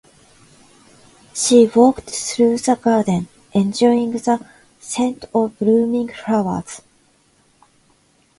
She walked through the garden, enjoying the scent of blooming flowers.